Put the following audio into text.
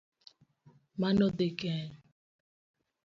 Mano dhi geng'